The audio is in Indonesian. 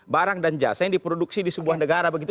barang dan jasa yang diproduksi di sebuah negara begitu